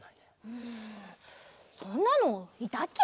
うんそんなのいたっけ？